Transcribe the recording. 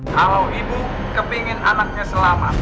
kalau ibu kepingin anaknya selamat